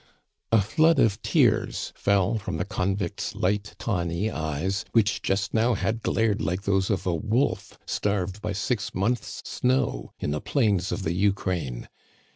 A flood of tears fell from the convict's light tawny eyes, which just now had glared like those of a wolf starved by six months' snow in the plains of the Ukraine.